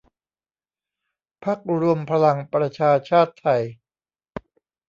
พรรครวมพลังประชาชาติไทย